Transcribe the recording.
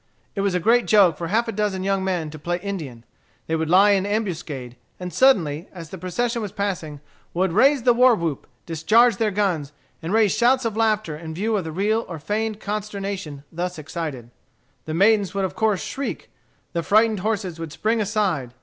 It was a great joke for half a dozen young men to play Indian. They would lie in ambuscade, and suddenly, as the procession was passing, would raise the war whoop, discharge their guns, and raise shouts of laughter in view of the real or feigned consternation thus excited. The maidens would of course shriek. The frightened horses would spring aside.